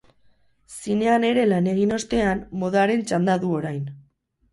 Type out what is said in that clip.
Zinean ere lan egin ostean, modaren txanda du orain.